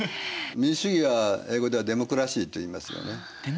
民主主義は英語では「デモクラシー」といいますよね。